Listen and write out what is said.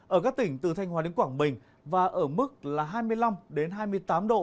ở các tỉnh từ thanh hòa đến quảng bình và ở mức là hai mươi năm hai mươi tám độ